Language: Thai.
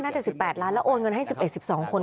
น่าจะ๑๘ล้านแล้วโอนเงินที่๑๑๑๒คน